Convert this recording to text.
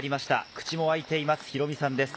口も開いています、ヒロミさんです。